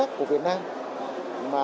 từ năm hai nghìn hai mươi hai